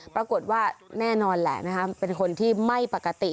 ปรากฏว่าแน่นอนแหละเป็นคนที่ไม่ปกติ